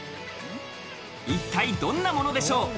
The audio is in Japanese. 一体どんなものでしょう。